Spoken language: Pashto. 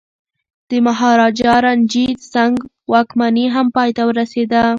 د مهاراجا رنجیت سنګ واکمني هم پای ته ورسیده.